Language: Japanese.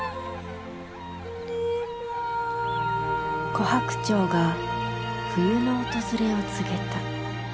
コハクチョウが冬の訪れを告げた。